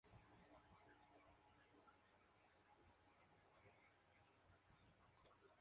Ésta es una de las primeras descripciones de un ordenador en la ficción.